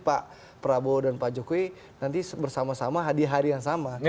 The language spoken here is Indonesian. pak prabowo dan pak jokowi nanti bersama sama di hari yang sama